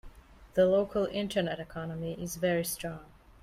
The local internet economy is very strong.